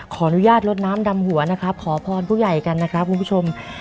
ขออนุญาตลดน้ำดำหัวนะครับขอพรผู้ใหญ่กันนะครับคุณผู้ชม